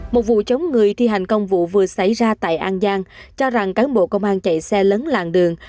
một vụ chống người thi hành công vụ vừa xảy ra tại an giang cho rằng cán bộ công an chạy xe lấn làng đường